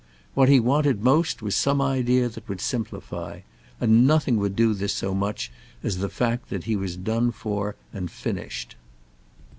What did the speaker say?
What he wanted most was some idea that would simplify, and nothing would do this so much as the fact that he was done for and finished.